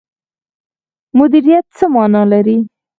مدیریت څه مانا لري؟